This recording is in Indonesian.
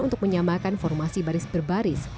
untuk menyamakan formasi baris berbaris